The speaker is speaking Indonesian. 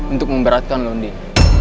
untuk memberatkan lo din